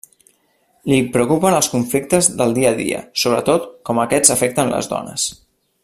Li preocupen els conflictes del dia a dia, sobretot com aquests afecten les dones.